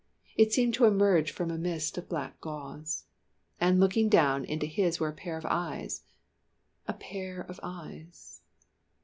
It seemed to emerge from a mist of black gauze. And looking down into his were a pair of eyes a pair of eyes.